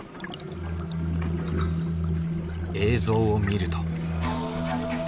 映像を見ると。